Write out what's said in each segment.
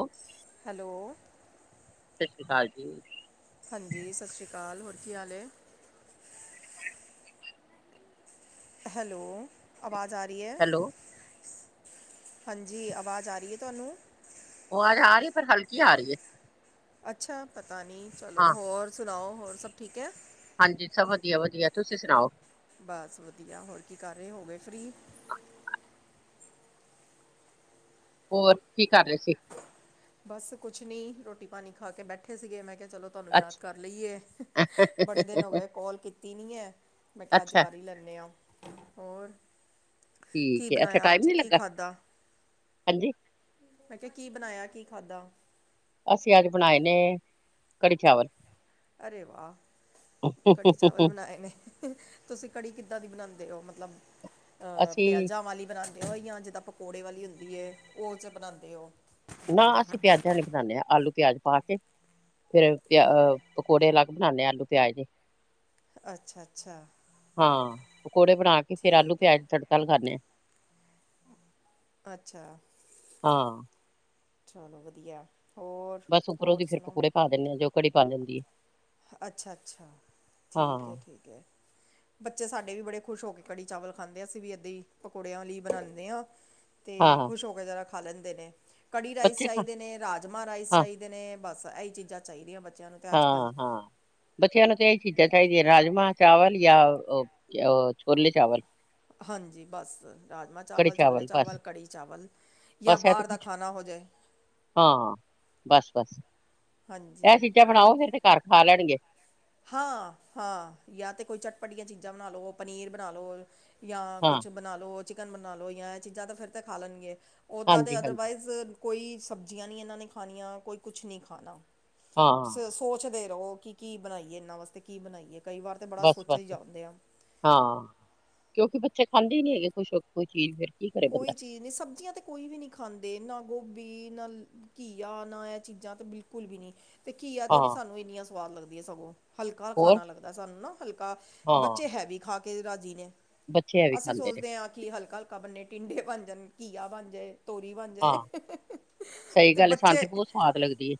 ਸਤਿ ਹੈਲੋ। ਸਤਿ ਸ਼੍ਰੀ ਅਕਾਲ ਜੀ। ਹਾਂਜੀ, ਸਤਿ ਸ਼੍ਰੀ ਅਕਾਲ ਹੋਰ ਕੀ ਹਾਲ ਏ? ਹੈਲੋ ਆਵਾਜ਼ ਆ ਰਹੀ ਹੈ? ਹੈਲੋ ਹਾਂਜੀ, ਆਵਾਜ਼ ਆ ਰਹੀ ਹੈ ਤੁਹਾਨੂੰ? ਆਵਾਜ਼ ਆ ਰਹੀ ਹੈ ਪਰ ਹਲਕੀ ਆ ਰਹੀ ਹੈ। ਅੱਛਾ, ਪਤਾ ਨਹੀਂ ਚਲੋ ਹਾਂ ਹੋਰ ਸੁਣਾਓ ਹੋਰ ਸਭ ਠੀਕ ਹੈ? ਹਾਂਜੀ, ਸਭ ਵਧੀਆ, ਵਧੀਆ ਤੁਸੀਂ ਸੁਣਾਓ? ਬਸ ਵਧੀਆ ਹੋਰ ਕੀ ਕਰ ਰਹੇ ਹੋ ਗਏ ਫਰੀ? ਹੋਰ ਕੀ ਕਰ ਰਹੇ ਸੀ? ਬਸ ਕੁਛ ਨਹੀਂ, ਰੋਟੀ ਪਾਣੀ ਖਾ ਕੇ ਬੈਠੇ ਸੀਗੇ ਮੈਂ ਕਿਹਾ ਚਲੋ। ਤੁਹਾਨੂੰ ਯਾਦ ਅੱਛ ਕਰ ਲਈਏ ਬੜੇ ਦਿਨ ਹੋ ਗਏ ਕੌਲ ਕੀਤੀ ਨੀ ਹੈ। ਮੈਂ ਕਿਹਾ ਅੱਜ ਅੱਛਾ ਕਰ ਹੀ ਲੈਂਦੇ ਆਂ ਹੋਰ। ਕੀ ਠੀਕ ਹੈ, ਇੱਥੇ ਬਣਾਇਆ ਟਾਈਮ ਅੱਜ ਨੀ ਕੀ ਲੱਗਾ ਖਾਧਾ ਹਾਂਜੀ। ਮੈਂ ਕੇਹਾ ਕੀ ਬਣਾਇਆ ਕੀ ਖਾਧਾ। ਅਸੀਂ ਅੱਜ ਬਣਾਏ ਨੇ ਕੜੀ ਚਾਵਲ। ਅਰੇ ਵਾਹ, ਕੜੀ ਚਾਵਲ ਬਣਾਏ ਨੇ। ਤੁਸੀਂ ਕੜੀ ਕਿੱਦਾਂ ਦੀ ਬਣਾਉਂਦੇ ਹੋ। ਮਤਲਬ ਅਹ ਅਸੀਂ ਪਿਆਜ਼ਾਂ ਵਾਲੀ ਬਣਾਉਂਦੇ ਬਣਾਉਂਦੇ ਹੋ ਜਾਂ ਜਿੱਦਾਂ ਪਕੌੜੇ ਵਾਲੀ ਹੁੰਦੀ ਹੈ ਉਹ 'ਚ ਬਣਾਉਂਦੇ ਹੋ। ਨਾ ਅਸੀਂ ਪਿਆਜ਼ਾਂ ਵਾਲੀ ਬਣਾਦੇ ਹਾਂ। ਆਲੂ ਪਿਆਜ਼ ਪਾ ਕੇ ਫੇਰ ਪ ਪਕੌੜੇ ਅਲੱਗ। ਬਣਾਣੇ ਆਂ ਆਲੂ ਪਿਆਜ਼ ਦੀ ਅੱਛਾ ਅੱਛਾ ਹਾਂ ਪਕੌੜੇ ਬਣਾ ਕੇ ਫੇਰ ਆਲੂ ਠੀਕ ਹੈ ਪਿਆਜ਼ ਤੜਕਾ। ਤੜਕਾ ਲਗਾਉਣੇ ਆਂ। ਅੱਛਾ। ਹਾਂ। ਚਲੋ ਵਧੀਆ। ਹੋਰ ਬਸ ਉੱਪਰੋਂ ਹੋਰ ਦੀ ਫਿਰ ਸੁਣਾਓ ਪੌਕੜੇ ਪਾ ਦਿੰਦੇ ਆਂ ਜੋ ਕੜੀ ਪਾ ਦਿੰਦੀ ਹੈ। ਅੱਛਾ ਅੱਛਾ ਠੀਕ ਹੈ ਹਾਂ ਠੀਕ ਹੈ। ਬੱਚੇ ਸਾਡੇ ਵੀ ਬੜੇ ਖੁਸ਼ ਹੋ ਕੇ ਕੜੀ ਚਾਵਲ ਖਾਂਦੇ, ਅਸੀ ਵੀ ਏਦਾਂ ਹੀ ਪਕੌੜਿਆਂ ਵਾਲੀ ਬਣਾਉਂਦੇ ਹਾਂ। ਤੇ ਹਾਂ ਖੁਸ਼ ਹੋ ਕੇ ਜ਼ਰਾ ਖਾ ਲੈਂਦੇ ਨੇ ਕੜੀ ਰਾਈਸ ਬੱਚੇ ਖਾ ਚਾਹੀਦੇ ਨੇ, ਰਾਜਮਾਂਹ ਰਾਈਸ ਹਾਂ ਚਾਹੀਦੇ। ਚਾਹੀਦੇ ਨੇ ਬਸ ਇਹੀ ਚੀਜ਼ਾਂ ਚਾਹੀਦੀਆਂ ਬੱਚਿਆਂ ਨੂੰ। ਤਾਂ ਅੱਜ ਕੱਲ੍ਹ ਹਾਂ ਹਾਂ। ਬੱਚਿਆਂ ਨੂੰ ਤਾਂ ਇਹੀ ਚੀਜ਼ਾਂ ਚਾਹੀਦੀਆਂ ਰਾਜਮਾਂਹ ਚਾਵਲ ਜਾਂ ਉਹ ਛੋਲੇ ਚਾਵਲ। ਹਾਂਜੀ ਬਸ ਰਾਜਮਾਂਹ ਕੜੀ ਚਾਵਲ, ਛੋਲੇ ਬਸ ਚਾਵਲ, ਕੜੀ ਚਾਵਲ। ਯਾ ਬਸ ਇਹ ਤੇ ਬਾਹਰ ਦਾ ਕੁਛ ਖਾਣਾ ਹੋ ਜਾਏ। ਹਾਂ ਬਸ ਬਸ ਇਹ ਹਾਂਜੀ ਚੀਜ਼ਾਂ ਬਣਾਓ ਫਿਰ ਤੇ ਘਰ ਖਾ ਲੈਣਗੇ। ਹਾਂ ਹਾਂ ਯਾ ਤੇ ਕੋਈ ਚਟਪਟੀਆਂ ਚੀਜ਼ਾਂ ਬਣਾ ਲਓ ਪਨੀਰ ਬਣਾ ਲਓ ਜਾਂ ਹਾਂ ਕੁਛ ਬਣਾ ਲਓ ਚਿਕਨ ਬਣਾ ਲਉ ਜਾਂ ਇਹ ਚੀਜ਼ਾਂ ਤਾਂ ਫਿਰ ਤਾਂ ਖਾ ਲੈਣਗੇ ਉੱਦਾਂ ਹਾਂਜੀ ਤੇ ਹਾਂਜੀ ਅਦਰਵਾਈਜ਼ ਕੋਈ ਸਬਜ਼ੀਆਂ ਨੀ ਇਹਨਾਂ ਨੇ ਖਣੀਆਂ ਕੋਈ ਕੁਛ ਨੀ ਖਾਣਾ ਹਾਂ ਸੋਚਦੇ ਚੋ ਕਿ ਕੀ ਬਣਾਈਏ ਇਹਨਾਂ ਵਾਸਤੇ ਕੀ ਬਣਾਈਏ, ਕਈ ਵਾਰ ਤੇ ਬੜਾ ਬਸ ਸੋਚਿਆ ਹੀ ਬਸ ਜਾਂਦੇ ਆ ਹਾਂ ਕਿਉਂਕਿ ਬੱਚੇ ਖਾਂਦੇ ਨੀ ਹੈਗੇ, ਖੁਸ਼ ਹੋਕੇ ਕੋਈ ਚੀਜ਼ ਫਿਰ ਕੀ ਕਰੇ ਬੰਦਾ ਕੋਈ ਚੀਜ਼ ਨਹੀਂ ਸਬਜ਼ੀਆਂ ਤੇ ਕੋਈ ਵੀ ਨਹੀਂ ਖਾਂਦੇ, ਨਾ ਗੋਭੀ ਨਾ ਘੀਆ ਨਾ ਇਹ ਚੀਜ਼ਾਂ ਤੇ ਬਿਲਕੁਲ ਵੀ ਨੀ ਤੇ ਘਿਆ ਤੋਰੀ ਹਾਂ ਸਾਨੂੰ ਇੰਨੀਆਂ ਸਵਾਦ ਲੱਗਦੀ ਹੈ ਸਗੋਂ ਹਲਕਾ ਹੋਰ ਖਾਣਾ ਲੱਗਦਾ ਸਾਨੂੰ ਨਾ ਹਲਕਾ, ਹਾਂ ਬੱਚੇ ਹੈ ਵੀ ਖਾ ਕੇ ਰਾਜੀ ਨੇ ਬੱਚੇ ਇਹ ਵੀ ਅਸੀਂ ਖਾਂਦੇ ਨੇ ਸੋਚਦੇ ਆਂ ਕਿ ਹਲਕਾ ਹਲਕਾ ਬਣੇ ਟਿੰਡੇ ਬਣ ਜਾਣ ਘੀਆ ਬਣ ਜਾਏ ਤੋਰੀ ਬਣ ਜਾਏ, ਹਾਂ ਸਹੀ ਤੇ ਗੱਲ ਹੈ, ਸਾਨੂੰ ਬੱਚੇ ਬਹੁਤ ਸਵਾਦ ਲੱਗਦੀ ਹੈ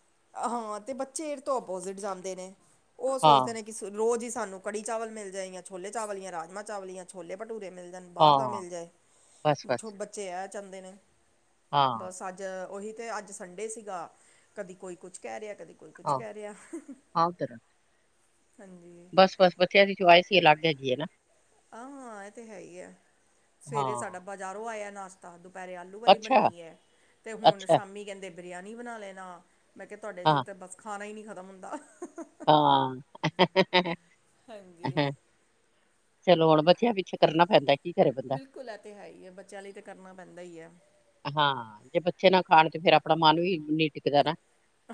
ਹਾਂ ਤੇ ਬੱਚੇ ਇਸ ਤੋਂ ਅੋਪੋਜ਼ਿਟ ਜਾਂਦੇ ਨੇ, ਉਹ ਹਾਂ ਸੋਚਦੇ ਨੇ ਰੋਜ਼ ਹੀ ਸਾਨੂੰ ਕੜੀ ਚਾਵਲ ਮਿਲ ਜਾਏ ਜਾਂ ਛੋਲੇ ਚਾਵਲ ਜਾਂ ਰਾਜਮਾਂ ਚਾਵਲ ਜਾਂ ਛੋਲੇ ਭਟੂਰੇ ਮਿਲ ਜਾਣ ਬਾਹਰ ਦਾ ਹਾਂ ਮਿਲ ਜਾਏ, ਬਸ ਬੱਚੇ ਬਸ ਬੱਚੇ ਆ ਚਾਹੰਦੇ ਨੇ ਹਾਂ ਬਸ ਅੱਜ ਉਹੀ ਤੇ ਅੱਜ ਸੰਡੇ ਸੀਗਾ ਕਦੀ ਕੋਈ ਕੁਛ ਕਹਿ ਰਿਹਾ ਕਦੀ ਕੋਈ ਕੁਛ ਹਾਂ ਕਹਿ ਰਿਹਾ ਹਾਂ ਪੁੱਤਰ ਹਾਂਜੀ ਬਸ ਬਸ ਬੱਚਿਆਂ ਦੀ ਚੋਇਸ ਈ ਅਲੱਗ ਹੈਗੀ ਹੈ ਨਾ ਆਹ ਹਾਂ, ਇਹ ਤੇ ਹੈ ਹੀ ਐ ਸਵੇਰੇ ਹਾਂ ਸਾਡਾ ਬਾਜ਼ਾਰੋਂ ਆਇਆ ਨਾਸ਼ ਦੁਪਹਿਰੇ ਆਲੂ ਵਾਲੀ ਅੱਛਾ ਬੰਨੀ ਹੈ ਤੇ ਹੁਣ ਅੱਛਾ, ਸ਼ਾਮੀ ਕਹਿੰਦੇ ਬਰਿਆਨੀ ਬਣਾ ਲੈਣਾ ਮੈਂ ਕਿਹਾ ਤੁਹਾਡੇ 'ਚ ਹਾਂ, ਤਾਂ ਬਸ ਖਾਣਾ ਹੀ ਨਹੀਂ ਖਤਮ ਹੁੰਦਾ ਹਾਂ ਹਾਂਜੀ ਚਲੋ ਹੁਣ ਬੱਚਿਆਂ ਪਿੱਛੇ ਕਰਨਾ ਪੈਂਦਾ ਸੀ ਬਿਲਕੁਲ ਹੈ ਤਾਂ ਹੈ ਹੀ ਹੈ ਬੱਚਿਆਂ ਲਈ ਤਾਂ ਕਰਨਾ ਪੈਂਦਾ ਹੀ ਹੈ ਹਾਂ, ਜੇ ਬੱਚੇ ਨਾ ਖਾਣ ਤੇ ਫੇਰ ਆਪਣਾ ਮਨ ਵੀ ਨੀ ਟਿਕਦਾ ਨਾ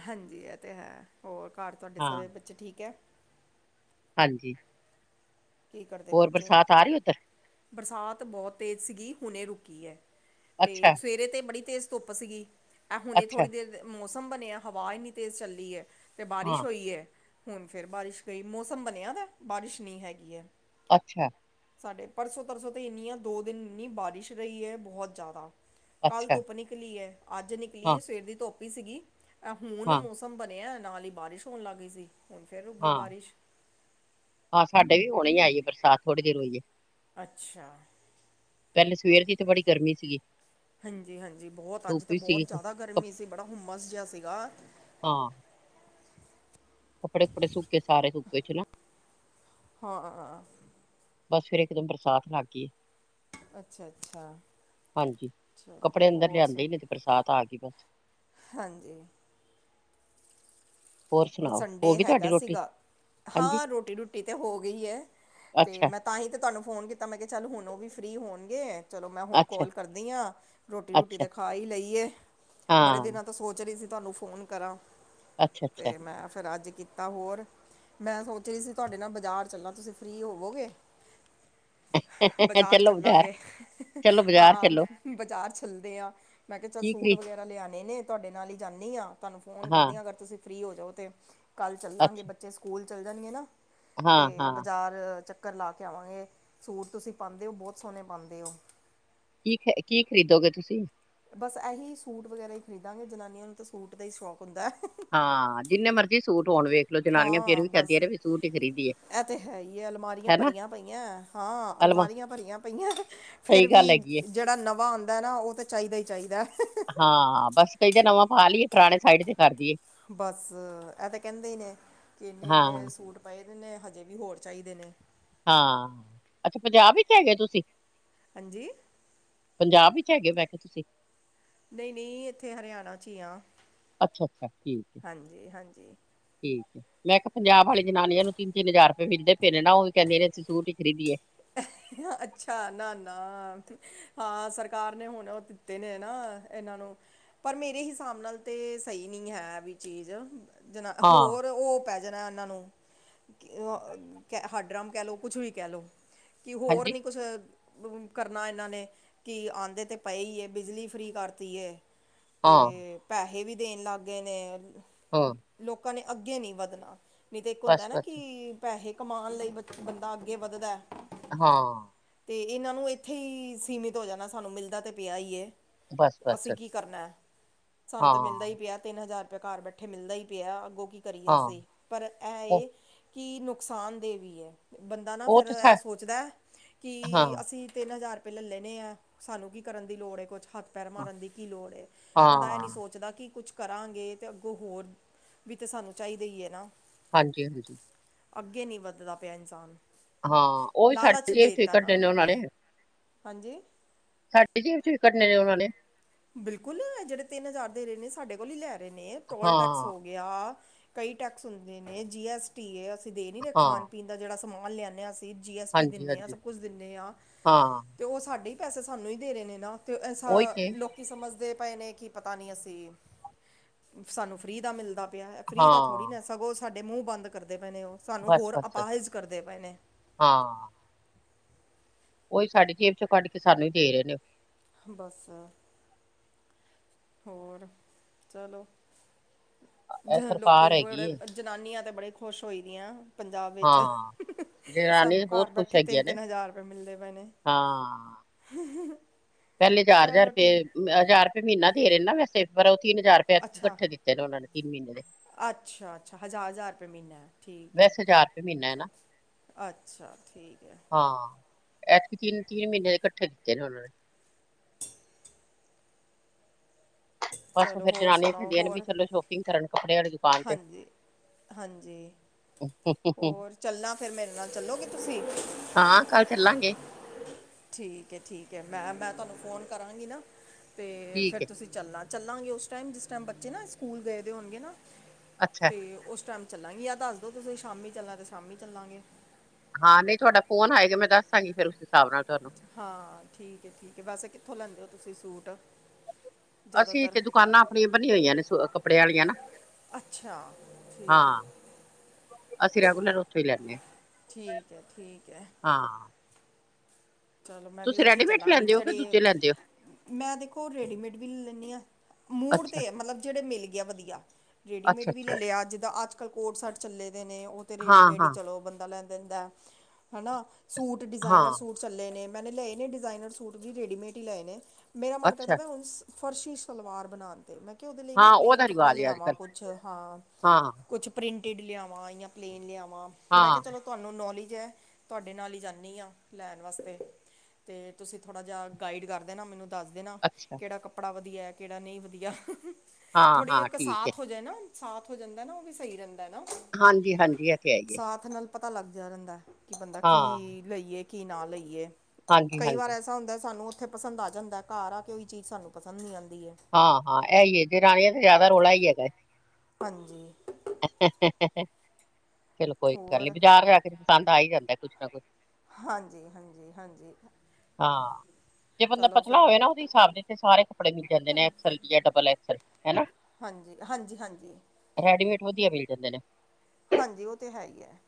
ਹਾਂਜੀ ਇਹ ਤਾਂ ਹੈ। ਹੋਰ ਘਰ ਤੁਹਾਡੇ ਹਾਂ, ਸਾਰੇ ਬੱਚੇ ਠੀਕ ਹੈ। ਹਾਂਜੀ ਕੀ ਕਰਦੇ ਹੋਰ ਬੱਚੇ ਬਰਸਾਤ ਆ ਰਹੀ ਉੱਧਰ ਬਰਸਾਤ ਬਹੁਤ ਤੇਜ਼ ਸੀਗੀ। ਹੁਣੇ ਰੁਕੀ ਹੈ ਤੇ ਅੱਛਾ, ਸਵੇਰੇ ਤੇ ਬੜੀ ਤੇਜ਼ ਧੁੱਪ ਸੀਗੀ ਇਹ ਹੁਣੇ ਅੱਛਾ, ਥੋੜ੍ਹੀ ਦੇਰ ਮੌਸਮ ਬਣਿਆ ਹਵਾ ਇੰਨੀ ਤੇਜ਼ ਚੱਲੀ ਹੈ ਫਿਰ ਬਾਰਿਸ਼ ਹਾਂ, ਹੋਈ ਹੈ, ਹੁਣ ਫਿਰ ਬਾਰਿਸ਼ ਗਈ ਮੌਸਮ ਬਣਿਆ ਵ ਬਾਰਿਸ਼ ਨਹੀਂ ਹੈਗੀ ਹੈ। ਅੱਛਾ ਸਾਡੇ ਪਰਸੋਂ ਤਰਸੋਂ ਤਾਂ ਇੰਨੀ ਆ ਦੋ ਦਿਨ ਇੰਨੀ ਬਾਰਿਸ਼ ਰਹੀ ਹੈ ਬਹੁਤ ਜ਼ਿਆਦਾ। ਕੱਲ ਅੱਛਾ, ਧੁੱਪ ਨਿਕਲੀ ਹੈ। ਅੱਜ ਨਿਕਲੀ ਹਾਂ, ਹੈ, ਸਵੇਰ ਦੀ ਧੁੱਪ ਹੀ ਸੀਗੀ। ਹਾਂ, ਹੁਣ ਸ ਬਣਿਆ ਨਾਲ ਹੀ ਬਾਰਿਸ਼ ਹੋਣ ਲੱਗ ਗਈ ਸੀ। ਹੁਣ ਫੇਰ ਰੁ ਗਈ ਹਾਂ। ਬਾਰਿਸ਼। ਹਾਂ ਸਾਡੇ ਵੀ ਹੋਣੀਈ ਆਈ ਏ ਬਰਸਾਤ ਥੋੜੀ ਦੇਰ ਹੋਈਏ ਅੱਛਾ ਪਹਿਲੇ ਸਵੇਰ ਦੀ ਤਾਂ ਬੜੀ ਗਰਮੀ ਸੀਗੀ। ਹਾਂਜੀ ਹਾਂਜੀ ਬਹੁਤ ਅੱਜ ਧੁੱਪ ਤਾਂ ਵੀ ਸੀਗੀ। ਬਹੁਤ ਜ਼ਿਆਦਾ ਕ ਗਰਮੀ ਸੀ। ਬੜਾ ਹੁੰਮਸ ਜਿਹਾ ਸੀਗਾ। ਹਾਂ ਕੱਪੜੇ ਕੱਪੜੇ ਸੁੱਕੇ ਸਾਰੇ ਸੁੱਕੇ ਚ ਹਨ ਹਾਂ ਬਸ ਫੇਰ ਇੱਕਦਮ ਬਰਸਾਤ ਲੱਗ ਗਈਏ ਅੱਛਾ ਅੱਛਾ ਹਾਂਜੀ ਚਲ ਕੱਪੜੇ ਅੰਦਰ ਹੋਰ ਲਿਆਂਦੇ ਸੁਣ ਹੀ ਨਹੀਂ ਤੇ ਬਰਸਾਤ ਆ ਗਈ ਬਸ ਹਾਂਜੀ ਹੋਰ ਉਹ ਸੁਣਾਓ, ਹੋ ਸੰਡੇ ਗਈ ਤੁਹਾਡੀ ਹੈਗਾ ਰੋਟੀ? ਸੀਗਾ ਹਾਂਜੀ, ਹਾਂ ਰੋਟੀ ਰੂਟੀ ਤੇ ਹੋ ਗਈ ਹੈ ਤੇ ਅੱਛਾ, ਮੈਂ ਤਾਂ ਹੀ ਤਾਂ ਤੁਹਾਨੂੰ ਫੋਨ ਕੀਤਾ। ਮੈਂ ਕਿਹਾ ਚੱਲ ਹੁਣ ਉਹ ਵੀ ਫਰੀ ਹੋਣਗੇ। ਚਲੋ ਮੈਂ ਹੁਣ ਅੱਛਾ, ਕਾਲ ਕਰਦੀ ਹਾਂ। ਰੋਟੀ ਰੂਟੀ ਅੱਛਾ, ਤੇ ਖਾ ਹੀ ਲਈਏ ਬੜੇ ਹਾਂ, ਦਿਨਾਂ ਤਾਂ ਸੋਚ ਰਹੀ ਸੀ ਤੁਹਾਨੂੰ ਫੋਨ ਕਰਾਂ ਅੱਛਾ-ਅੱਛਾ ਤੇ ਮੈਂ ਫੇਰ ਅੱਜ। ਤਾਂ ਹੋਰ ਮੈਂ ਸੋਚਿਆ ਸੀ। ਤੁਹਾਡੇ ਨਾਲ ਬਾਜ਼ਾਰ ਚੱਲਾ ਤੁਸੀਂ ਫ੍ਰਰੀ ਹੋਵੋਗੇ। ਬਜ਼ਾਰ ਚਲੋ ਬਾਜ਼ਾਰ ਚੱਲਾਂਗੇ ਚਲੋ ਬਾਜ਼ਾਰ ਹਾਂ। ਚਲੋ ਬਜ਼ਾਰ ਚੱਲਦੇ ਆ। ਮੈਂ ਕਿਆ ਚੱਲ ਕੀ ਸੂਟ ਖਰੀ ਵਗੈਰਾ ਲਿਆਣੇ ਨੇ। ਤੁਹਾਡੇ ਨਾਲ ਈ ਜਾਂਨੀ ਆ। ਤੁਹਾਨੂੰ ਫੋਨ ਹਾਂ, ਕਰਦੀ ਆ। ਅਗਰ ਤੁਸੀਂ ਫ੍ਰਰੀ ਹੋ ਜਾਓ ਤੇ ਕੱਲ ਚੱਲਾਂਗੇ ਅੱਛਾ, ਬੱਚੇ ਸਕੂਲ ਚੱਲ ਜਾਣ ਗੇ ਨਾ ਤੇ ਹਾਂ-ਹਾਂ ਬਜ਼ਾਰ ਅ ਚੱਕਰ ਲਾ ਕੇ ਆਵਾਂਗੇ। ਸੂਟ ਤੁਸੀਂ ਪਾਂਦੇ ਓ ਬੋਤ ਸੋਣੇ ਪਾਂਦੇ ਓ। ਠੀਕ ਹੈ ਕੀ ਖਰੀਦੋਗੇ ਤੁਸੀਂ? ਬਸ ਐਹੀ ਸੂਟ ਵਗੈਰਾ ਈ ਖਰੀਦਾਂਗੇ। ਜਨਾਨੀਆਂ ਨੂੰ ਤਾਂ ਸੂਟ ਦਾ ਹੀ ਸ਼ੌਕ ਹੁੰਦੈ। ਹਾਂ ਜਿੰਨੇ ਮਰਜ਼ੀ ਸੂਟ ਹੋਣ ਵੇਖਲੋ ਜਨਾਨੀਆਂ ਫ਼ੇਰ ਵੀ ਕੈਂਦੀਆ ਨੇ ਵੀ ਸੂਟ ਈ ਖਰੀ ਐ ਤੇ ਹੈ ਈ ਐ। ਅਲਮਾਰੀਆਂ ਭਰੀਆਂ ਪਈਐ ਹਾਂ। ਅਲਮਾ ਅਲਮਾਰੀਆਂ ਭਰੀਆਂ ਪਈਐ। ਫੇਰ ਸਹੀ ਗੱਲ ਵੀ ਹੈਗੀ ਏ ਜੇੜਾ ਨਵਾਂ ਔਂਦਾ ਨਾ ਓ ਤਾਂ ਚਾਈਦਾ ਈ ਚਾਈਦਾ। ਹਾਂ ਬਸ ਕਹੀ ਦਾ ਨਵਾਂ ਪਾ ਲੀਏ ਪੁਰਾਣੇ ਸਾਈਡ ਚ ਕਰ ਦੀਏ। ਬਸ ਐ ਤਾਂ ਕੈਂਦੇ ਈ ਨੇ ਕੀ ਹਾਂ, ਇੰਨੇ-ਇੰਨੇ ਸੂਟ ਪਏ ਦੇ ਨੇ ਹਜੇ ਵੀ ਹੋਰ ਚਾਈਦੇ ਨੇ। ਹਾਂ ਅੱਛਾ ਪੰਜਾਬ ਵਿੱਚ ਹੈਗੇ ਤੁਸੀਂ? ਹਾਂਜੀ? ਪੰਜਾਬ ਵਿੱਚ ਹੈਗੇ ਹੋ ਮੈਂ ਕੇ ਤੁਸੀਂ? ਨਈ ਨਈ ਏਥੇ ਹਰਿਆਣਾ ਚ ਈ ਆ। ਅੱਛਾ-ਅੱਛਾ, ਠੀਕ ਹਾਂਜੀ ਠੀਕ। ਮੈਂ ਕਿਹਾ ਪੰਜਾਬ ਵਾਲੀ ਜਨਾਨੀਆਂ ਨੂੰ ਤਿੰਨ-ਤਿੰਨ ਹਜ਼ਾਰ ਰੁਪਏ ਮਿਲਦੇ ਪਏ ਨੇ ਨਾ ਓ ਕੈਂਦੀਆ ਨੇ ਅਸੀਂ ਸੂਟ ਈ ਖਰੀਦੀਏ। ਅ [unintelligible] ਅੱਛਾ, ਨਾ -ਨਾ ਹਾਂ ਸਰਕਾਰ ਨੇ ਹੁਣ ਓ ਦਿੱਤੇ ਨੇ ਨਾ, ਏਨਾਂ ਨੂੰ। ਪਰ ਮੇਰੇ ਹਿਸਾਬ ਨਾਲ ਤੇ ਸਈ ਨੀ ਹੈ ਵੀ ਚੀਜ਼, ਜਨਾ ਹਾਂ, ਹੋਰ ਓ ਪੈ ਜਣਾ ਓਨਾਂ ਨੂੰ, ਹੱਡਰਮ ਕੈ ਲੋ ਕੁੱਛ ਵੀ ਕੈ ਲੋ। ਕੀ ਹੋਰ ਹਾਂਜੀ, ਨੀ ਕੁੱਛ ਕਰਨਾ ਏਨਾਂ ਨੇ, ਕੀ ਆਂਦੇ ਤੇ ਪਏ ਈ ਐ ਬਿਜਲੀ ਫ੍ਰੀ ਕਰਤੀਏ। ਹਾਂ, ਤੇ ਪੈਸੇ ਵੀ ਦੇਣ ਲਾਗੇ ਨੇ, ਹਾਂ, ਲੋਕਾਂ ਨੇ ਅੱਗੇ ਨੀ ਵਧਣਾ। ਨਈ ਤੇ ਇੱਕ ਹੁੰਦਾ ਨਾ ਬਸ-ਬਸ, ਕੀ, ਪੈਸੇ ਕਮਾਣ ਲਈ ਬ ਬੰਦਾ ਅੱਗੇ ਵੱਧਦਾ। ਹਾਂ। ਤੇ ਏਨਾਂ ਨੂੰ ਏਥੇ ਈ ਸੀਮਿਤ ਹੋ ਜਾਣਾ, ਸਾਨੂੰ ਮਿਲਦਾ ਤੇ ਪਿਆ ਈ ਏ। ਬਸ-ਬਸ, ਅਸੀਂ ਕੀ ਕਰਨਾ, ਸਾਨੂੰ ਤਾਂ ਮਿਲਦਾ ਹਾਂ, ਈ ਪਿਆ ਤਿੰਨ ਹਜ਼ਾਰ ਰੁਪਿਆ ਘਰ ਬੈ ਤੇ ਮਿਲਦਾ ਈ ਪਿਆ ਅੱਗੋਂ ਕੀ ਕਰੀਏ ਹਾਂ, ਅਸੀਂ, ਪਰ ਐ ਉਹ ਏ ਕੀ ਨੁਕਸਾਨਦੇਹ ਵੀ ਐ। ਬੰਦਾ ਨਾ ਉਹ ਫੇਰ ਤੇ ਐ ਸਾ ਸੋਚਦਾ, ਕਿ ਹਾਂ, ਅ ਅਸੀਂ ਤਿੰਨ ਹਜ਼ਾਰ ਰੁਪਏ ਲੈ ਲੈਣੇ ਆ, ਸਾਨੂੰ ਕੀ ਕਰਨ ਦੀ ਲੋੜ ਏ ਕੁੱਛ ਹੱਥ ਪੈਰ ਮਾਰਨ ਦੀ ਕੀ ਲੋੜ ਐ, ਬੰਦਾ ਐ ਨੀ ਹਾਂ, ਸੋ ਸੋਚਦਾ ਕਿ ਕੁੱਛ ਕਰਾਂਗੇ ਤੇ ਅੱਗੋਂ ਹੋਰ, ਵੀ ਤੇ ਸਾਨੂੰ ਚਾਈਦਾ ਈ ਐ ਨਾ। ਹਾਂਜੀ-ਹਾਂਜੀ ਅੱਗੇ ਨੀ ਵੱਧਦਾ ਪਿਆ ਇਨਸਾਨ। ਹਾਂ ਓ ਵੀ ਲਾਲਚ ਸਾਡੇ ਦੇ ਏਥੇ ਦਿੱਤਾ ਕੱਢੇ ਨਾ ਨੇ ਓਨਾਂ ਨੇ ਹਾਂਜੀ? ਸਾਡੀ ਜੇਬ 'ਚ ਈ ਕੱਢਣੇ ਨੇ ਓਨਾਂ ਨੇ। ਬਿਲਕੁੱਲ ਐ ਜੇੜੇ ਤਿੰਨ ਹਜ਼ਾਰ ਦੇਰੇ ਨੇ, ਸਾਡੇ ਕੋਲ ਈ ਲੈ ਰੇ ਨੇ ਟੋਲ ਟੈਕਸ ਹਾਂ। ਹੋ ਗਿਆ, ਕਈ ਟੈਕਸ ਹੁੰਦੇ ਨੇ, ਜੀ ਐਸ ਟੀ ਏ ਅਸੀਂ ਦੇ ਨੀ ਰੇ ਖਾਣ ਹਾਂ, ਪੀਣ ਦਾ ਜੇੜਾ ਸਮਾਂਨ ਲਿਆਂਨੇ ਆ, ਅਸੀਂ ਜੀ ਐਸ ਟੀ ਦਿੰਨੇ ਆ, ਹਾਂਜੀ-ਹਾਂਜੀ, ਸਭ ਕੁਛ ਦਿੰਨੇ ਆ। ਹਾਂ, ਤੇ ਓ ਸਾਡੇ ਈ ਪੈਸੇ ਸਾਨੂੰ ਈ ਦੇ ਰੇ ਨੇ ਨਾ, ਤੇ ਐਸਾ ਉਹੀ ਤੇ, ਲੋਕੀ ਸਮਝਦੇ ਪਏ ਨੇ ਕੀ ਪਤਾ ਨੀ ਅਸੀਂ, ਸਾਨੂੰ ਫ੍ਰੀ ਦਾ ਮਿਲਦਾ ਪਿਐ ਫ੍ਰਰੀ ਦਾ ਥੋੜ੍ਹੀ ਹਾਂ, ਨਾ, ਸਗੋਂ ਸਾਡੇ ਮੂੰ ਬੰਦ ਕਰਦੇ ਪਏ ਨੇ ਓ, ਸਾਨੂੰ ਹੋਰ ਬਸ-ਬਸ, ਅਪਾਹਿਜ ਕਰਦੇ ਪਏ ਨੇ। ਹਾਂ। ਓਈ ਸਾਡੀ ਜੇਬ ਚੋਂ ਕੱਢ ਕੇ ਸਾਨੂੰ ਈ ਦੇ ਰੇ ਨੇ। ਬਸ। ਹੋਰ, ਚਲੋ, ਜ ਇਹ ਲੋਕੀ ਸਰਕਾਰ ਹੈਗੀ ਬੜੇ। ਏ, ਜਨਾਨੀਆਂ ਤੇ ਬੜੇ ਖੁਸ਼ ਹੋ ਦੀਆਂ। ਪੰਜਾਬ ਵਿੱਚ, ਹਾਂ। ਜਨਾਨੀ ਤੇ ਸਾਨੂੰ ਬਹੁਤ ਘਰ ਖੁਸ਼ ਬੈਠੇ ਹੈਗੀ ਆ ਨੇ ਤਿੰਨ-ਤਿੰਨ ਹਜ਼ਾਰ ਰੁਪਏ ਮਿਲਦੇ ਪਏ ਨੇ। ਹਾਂ। ਹਮ-ਹਮ। ਪਹਿਲੇ ਹਜਾਰ-ਹਜ਼ਾਰ ਰੁਪਏ, ਹਜ਼ਾਰ ਰੁਪਏ ਮਹੀਨਾ ਦੇ ਰਹੇ ਨੇ ਨਾ ਵੈਸੇ, ਪਰ ਉਹ ਤਿੰਨ ਹਜ਼ਾਰ ਰੁਪਏ ਅੱਛਾ ਇਕੱਠੇ ਦਿੱਤੇ ਨੇ ਉਹਨਾਂ ਨੇ। ਤਿੰਨ ਮਹੀਨੇ ਦੇ ਅੱਛਾ- ਅੱਛਾ, ਹਜ਼ਾਰ -ਹਜ਼ਾਰ ਰੁਪਏ ਮਹੀਨਾ। ਠੀਕ ਹੈ। ਵੈਸੇ ਹਜ਼ਾਰ ਰੁਪਏ ਮਹੀਨਾ ਹੈ ਨਾ ਅੱਛਾ, ਠੀਕ ਹੈ। ਹਾਂ ਐਤਕੀ ਤਿੰਨ-ਤਿੰਨ ਮਹੀਨੇ ਦੇ ਇਕੱਠੇ ਦਿੱਤੇ ਨੇ ਉਹਨਾਂ ਨੇ। ਬਸ ਚਲੋ ਫੇਰ ਹੋਰ ਜਨਾਨੀ ਛੱਡੀਆਂ ਵੀ, ਚਲੋ ਸ਼ੋਪਿੰਗ ਕਰਨ ਕੱਪੜਿਆ ਦੀ। ਹਾਂਜੀ-ਹਾਂਜੀ। ਹੋਰ ਚੱਲਣਾ, ਫਿਰ ਮੇਰੇ ਨਾਲ ਚੱਲੋਗੇ ਤੁਸੀਂ? ਹਾਂ, ਕੱਲ ਚੱਲਾਂਗੇ। ਠੀਕ ਹੈ-ਠੀਕ ਹੈ ਮੈਂ -ਮੈਂ ਤੁਹਾਨੂੰ ਫੋਨ ਕਰਾਂਗੀ ਨਾ, ਤੇ ਫਿਰ ਠੀਕ ਹੈ ਤੁਸੀਂ। ਚੱਲਾ ਚੱਲਾਂਗੇ ਉਸ ਟਾਈਮ ਜਿਸ ਟਾਈਮ ਬੱਚੇ ਨਾ ਸਕੂਲ ਗਏ ਦੇ ਹੋਣਗੇ ਨਾ, ਅੱਛਾ ਤੇ ਉਸ ਟਾਈਮ। ਚੱਲਾਂਗੀ ਯ ਦੱਸ ਦੋ ਤੁਸੀਂ ਸ਼ਾਮੀ ਚੱਲਾਂ ਤੇ ਸ਼ਾਮੀ ਚੱਲਾਂਗੇ। ਹਾਂ ਨਹੀਂ ਤੁਹਾਡਾ ਫੋਨ ਆਏਗਾ ਮੈਂ ਦੱਸਾਂਗੀ ਫਿਰ ਉਸ ਹਿਸਾਬ ਨਾਲ ਤੁਹਾਨੂੰ। ਹਾਂ ਠੀਕ ਹੈ- ਠੀਕ ਹੈ, ਵੈਸੇ ਕਿੱਥੋਂ ਲੈਂਦੇ ਹੋ ਤੁਸੀਂ ਸੂਟ। ਅਸੀਂ ਜ਼ਿਆਦਾਤਰ ਇਥੇ ਦੁਕਾਨਾਂ ਆਪਣੀਆਂ ਬਣੀਆਂ ਹੋਈਆਂ ਨੇ ਕੱਪੜੇ ਆਲੀਆਂ ਨਾਂ? ਅੱਛਾ, ਠੀਕ ਹੈ। ਅਸੀਂ ਰੈਗੂਲਰ ਉੱਥੋਂ ਹੀ ਲੈਂਦੇ ਠੀਕ ਹੈ -ਠੀਕ ਹੈ। ਹਾਂ ਹਾਂ ਚਲ ਮੈਂ ਵੀ ਤੁਸੀਂ ਉੱਥੇ ਹੀ ਰੈਡੀਮੇਡ ਚੱਲਾਂਗੀ, ਲੈਂਦੇ ਹੋ ਕਿ ਜਿਹੜੇ। ਦੂਜੇ ਲੈਂਦੇ ਹੋ ਮੈਂ ਦੇਖੋ ਰੇਡੀਮੇਡ ਵੀ ਲੈ ਲੈਂਦੀ ਹਾਂ, ਮੂੜ ਅੱਛਾ, ਤੇ ਮਤਲਬ ਜਿਹੜੇ ਮਿਲ ਗਿਆ ਵਧੀਆ। ਰੇਡੀਮੇਡ ਅੱਛਾ, ਵੀ ਅੱਛਾ ਲਿਆ, ਜਿੱਦਾਂ ਅੱਜ। ਕੋਟ ਸ਼ਟ ਚੱਲੇ ਦੇ ਨੇ ਉਹ ਤਾਂ ਹਾਂ, ਰੇਡੀਮੇਡ ਹੀ ਹਾਂ, ਚਲੋ ਬੰਦਾ ਲੈ ਲੈਂਦਾ ਹਨਾ, ਸੂਟ। ਡਿਜ਼ਾਇਨਰ ਹਾਂ ਸੂਟ ਚੱਲੇ ਨੇ, ਮੈਨੇ ਲਏ ਨੇ ਡਿਜ਼ਾਇਨਰ ਸੂਟ ਵੀ ਰੇਡੀਮੇਡ ਹੀ ਲਏ ਨੇ। ਮੇਰਾ ਮਨ ਕਰਦਾ ਅੱਛਾ ਮੈਂ, ਹੁਣ ਫਰਸ਼ੀ ਸਲਵਾਰ ਬਣਾਉਣ। ਮੈਂ ਕਿਹਾ ਉਹਦੇ ਲਈ ਨਾ ਹਾਂ ਪਲੇਨ ਉਹਦਾ ਕੱਪੜਾ ਰਿਵਾਜ਼ ਹੈ ਅੱਜ ਲਿਆਵਾਂ ਕੱਲ ਕੁਛ, ਹਾਂ। ਹਾਂ, ਕੁਛ ਪ੍ਰਿੰਟਿਡ ਲਿਆਵਾਂ ਜਾਂ ਪਲੇਨ ਲਿਆਵਾਂ, ਮੈਂ ਹਾਂ ਕਿਹਾ ਚਲੋ ਤੁਹਾਨੂੰ ਨੌਲੇਜ ਹੈ, ਤੁਹਾਡੇ ਨਾਲ ਹੀ ਜਾਂਦੀ ਹਾਂ। ਲੈਣ ਵਾਸਤੇ, ਤੇ ਤੁਸੀਂ ਥੋੜ੍ਹਾ ਜਿਹਾ ਗਾਈਡ ਕਰ ਦੇਣਾ ਮੈਨੂੰ ਦੱਸ ਦੇਨਾ, ਅੱਛਾ ਕਿਹੜਾ ਕੱਪੜਾ? ਕੱਪੜਾ ਵਧੀਆ ਕਿਹੜਾ, ਨਹੀਂ ਵਧੀਆ, ਹਾਂ, ਥੋੜੀ ਹਾਂ ਇੱਕ ਠੀਕ ਹੈ ਸਾਥ ਹੋ ਜਾਏ ਨਾ। ਸਾਥ ਹੋ ਜਾਂਦਾ ਨਾ, ਉਹ ਵੀ ਸਹੀ ਰਹਿੰਦਾ ਨਾ। ਹਾਂਜੀ- ਹਾਂਜੀ ਇਹ ਤੇ ਹੈ ਹੀ ਏ ਹਥ ਨਾਲ ਪਤਾ ਲੱਗ ਜਾ ਰਹਿੰਦਾ, ਕਿ ਬੰਦਾ ਕੀ ਹਾਂ, ਲਈਏ, ਕੀ ਨਾ ਲਈਏ। ਹਾਂਜੀ, ਕਈ ਵਾਰ ਹਾਂਜੀ ਐਸਾ ਹੁੰਦਾ, ਸਾਨੂੰ ਉੱਥੇ ਪਸੰਦ ਆ ਜਾਂਦਾ ਘਰ ਆ ਕੇ ਵੀ ਉਹੀ ਚੀਜ਼ ਸਾਨੂੰ ਪਸੰਦ ਨਹੀਂ ਆਉਂਦੀ ਹੈ। ਹਾਂ-ਹਾਂ, ਇਹ ਹੀ ਹੈ। ਰਾਣੀਆਂ ਤੇ ਜ਼ਿਆਦਾ ਰੌਲਾ ਹੀ ਹੈਗਾ। ਹਾਂਜੀ। [inaudible] ਚਲੋ, ਕੋਈ ਗੱਲ ਨੀ, ਹੋਰ ਬਾਜ਼ਾਰ ਜਾ ਕੇ ਪਸੰਦ ਆ ਹੀ ਜਾਂਦਾ ਕੁਛ ਨਾ ਕੁਛ। ਹਾਂਜੀ -ਹਾਂਜੀ- ਹਾਂਜੀ। ਹਾਂ, ਜੇ ਬੰਦਾ ਚਲੋ ਪਤਲਾ ਫਿਰ ਹੋਵੇ ਨਾ, ਉਹਦੇ ਹਿਸਾਬ ਦੇ ਸਾਰੇ ਕੱਪੜੇ ਮਿਲ ਜਾਂਦੇ ਨੇ ਅਕਸਰ। ਜੇਟਪਲੈ ਸਰ ਹਨਾ। [unintelligible] ਹਾਂਜੀ -ਹਾਂਜੀ -ਹਾਂਜੀ। ਰੈਡੀਮੇਡ ਵਧੀਆ ਮਿਲ ਜਾਂਦੇ ਨੇ। ਹਾਂਜੀ, ਉਹ ਤੇ ਹੈ ਹੀ ਹੈ।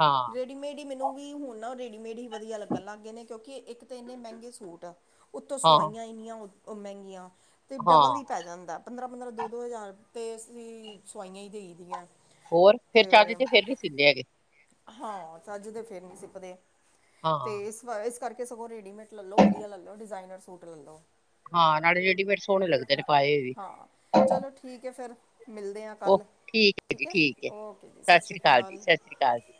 ਹਾਂ, ਰੇਡੀਮੇਡ ਹੀ ਮੈਨੂੰ ਵੀ ਹੁਣ ਨਾ, ਰੇਡੀਮੇਡ ਹੀ ਵਧੀਆ ਲੱਗਣ ਲੱਗ ਗਏ ਨੇ, ਕਿਉਂਕਿ ਇੱਕ ਤੇ ਇੰਨੇ ਮਹਿੰਗੇ ਸੂਟ ਆ। ਉੱਤੋਂ ਹਾਂ, ਸਵਾਈਆਂ ਇੰਨੀਆਂ ਮਹਿੰਗੀਆਂ, ਤੇ ਡਬਲ ਹੀ। ਹਾਂ ਪੈ ਜਾਂਦਾ, ਪੰਦਰਾਂ -ਪੰਦਰਾਂ ਦੋ -ਦੋ ਹਜ਼ਾਰ, ਤੇ ਅਸੀਂ ਸਵਾਈਆਂ ਹੀ ਦੇ ਦੀਆਂ। ਹੋਰ, ਫਿਰ ਚਾਜ ਅਤੇ ਫੇਰ- ਫੇਰ ਵੀ ਸੀਂਦੇ ਹੈਗੇ। ਹਾਂ, ਚੱਜ ਤੇ ਫਿਰ ਨ ਸਿਪਦੇ, ਤੇ ਹਾਂ, ਇਸ ਕਰਕੇ ਸਗੋਂ ਰੇਡੀਮੇਡ ਲੈ ਲਓ, ਵਧੀਆ ਲੈ ਲਓ ਡਿਜ਼ਾਇਨਰ ਸੂਟ ਲੈ ਲਓ ਹਾਂ ਨਾਲੇ ਰੇਡੀਮੇਡ ਸੋਹਣੇ ਲੱਗਦੇ ਨੇ, ਪਾਏ ਵੀ ਹਾਂ ਚਲੋ ਠੀਕ ਹੈ ਫਿਰ, ਮਿਲਦੇ ਹਾਂ ਕੱਲ, ਠੀਕ ਹੈ ਓਕੇ ਜੀ ਸਤਿ ਸ਼੍ਰੀ ਸ੍ਰੀ ਅਕਾਲ ਜੀ, ਸਤਿ ਸ੍ਰੀ ਅਕਾਲ ਜੀ